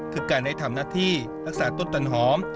คือการได้ทำหน้าที่รักษาต้นตันหอม